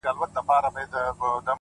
مړ مه سې، د بل ژوند د باب وخت ته،